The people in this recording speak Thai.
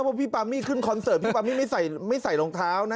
ว่าพี่ปามี่ขึ้นคอนเสิร์ตพี่ปามี่ไม่ใส่รองเท้านะ